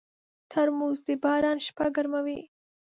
ترموز د باران شپه ګرموي.